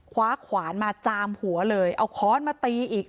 คว้าขวานมาจามหัวเลยเอาค้อนมาตีอีก